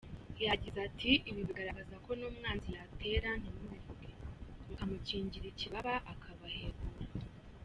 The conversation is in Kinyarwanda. Yagize ati “Ibi biragaragaza ko n’umwanzi yatera ntimubivuge, mukamukingira ikibaba akabahekura.